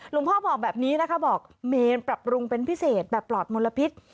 พ่อบอกแบบนี้นะคะบอกเมนปรับปรุงเป็นพิเศษแบบปลอดมลพิษ